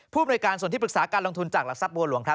ภูมิในการส่วนที่ปรึกษาการลงทุนจากหลักทรัพย์บัวหลวงครับ